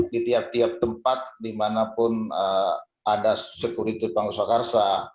di tiap tiap tempat dimanapun ada sekuriti pengusaha karsa